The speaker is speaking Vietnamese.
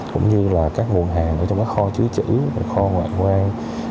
cũng như là các nguồn hàng ở trong các kho chứa chữ kho ngoại quan